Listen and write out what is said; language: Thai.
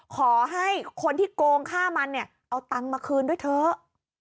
ขอให้คนที่โกงค่ามันเนี่ยเอาตังค์มาคืนด้วยเถอะ